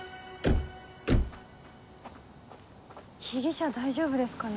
被疑者大丈夫ですかね